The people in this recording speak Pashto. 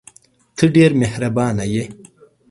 ته ډېره مهربانه یې !